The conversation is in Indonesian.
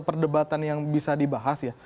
perdebatan yang bisa dibahas ya